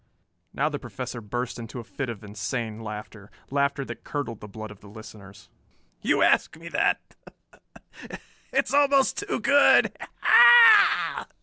Now the Professor burst into a fit of insane laughter, laughter that curdled the blood of the listeners. "You ask me that! It's almost too good.